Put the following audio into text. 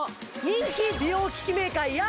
人気美容機器メーカー